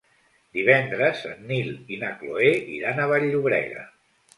Divendres en Nil i na Cloè iran a Vall-llobrega.